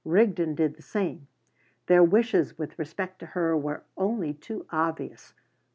Rigden did the same. Their wishes with respect to her were only too obvious.